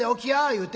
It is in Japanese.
言うて。